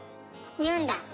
言うんだ。